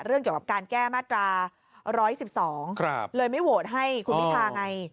เกี่ยวกับการแก้มาตรา๑๑๒เลยไม่โหวตให้คุณพิทาไง